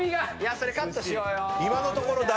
それカットしようよ。